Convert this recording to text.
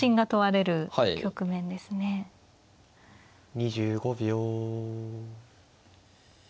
２５秒。